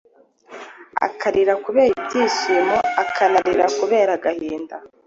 akarira kubera ibyishimo akanarira kubera agahinda.